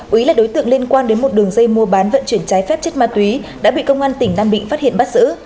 quý là đối tượng liên quan đến một đường dây mua bán vận chuyển trái phép chất ma túy đã bị công an tỉnh nam định phát hiện bắt giữ